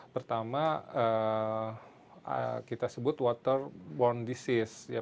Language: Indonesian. pertama kita sebut waterborne disease